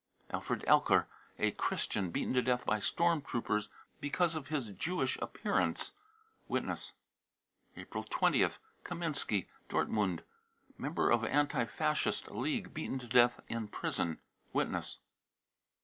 Alfred elker, a Christian, beaten to death by storm troopers because of his Jewish appearance. (Witness.) April 20th. Kaminski, Dortmund, member of anti Fascist League, beaten to death in prison. (Witness.)